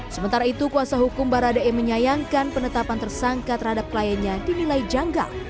sementara itu kuasa hukum baradae menyayangkan penetapan tersangka terhadap kliennya dinilai janggal